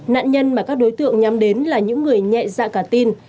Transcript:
nạn nhân mà các đối tượng nhắm đến là những người nhẹ dạ cả tin